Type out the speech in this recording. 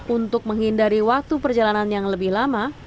untuk menghindari waktu perjalanan yang lebih lama